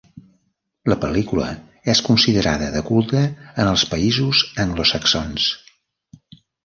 La pel·lícula és considerada de culte en els països anglosaxons.